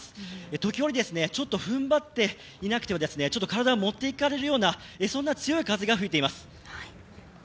時折、ちょっとふんばっていなくては体が持って行かれるようなそんな強い風が吹いています。